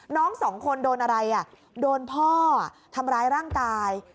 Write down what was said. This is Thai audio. น้องสองคนโดนอะไรอ่ะโดนพ่อทำร้ายร่างกาย